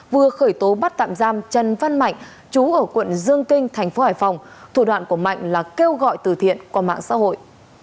vừa khởi tố bắt tạm giam trần văn mạnh chú ở quận dương kinh thành phố hải phòng thủ đoạn của mạnh là kêu gọi từ thiện qua mạng xã hội